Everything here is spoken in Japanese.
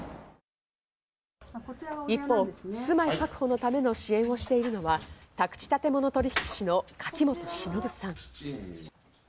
一方、住まい確保のための支援をしているのは、宅地建物取引士の柿本志信さん。